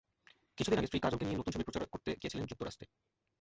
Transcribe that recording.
কিছুদিন আগে স্ত্রী কাজলকে নিয়ে নতুন ছবির প্রচার করতে গিয়েছিলেন যুক্তরাষ্ট্রে।